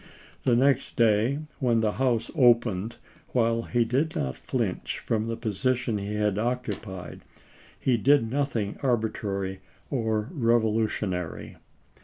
The next day, when the House opened, ^rhile he did not flinch from the position he had occupied, he did nothing arbitrary or revolution ary.